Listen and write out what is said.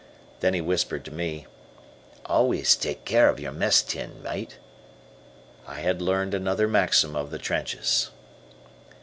Then he whispered to me, "Always take care of your mess tin, mate." I had learned another maxim of the trenches.